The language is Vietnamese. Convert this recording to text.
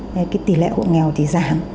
cái tỷ lệ hậu nghèo thì giảm